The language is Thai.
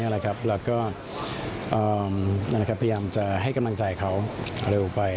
แล้วก็พยายามจะให้กำลังใจเขาเร็วไป